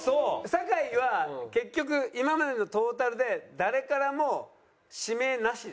酒井は結局今までのトータルで誰からも指名なしです。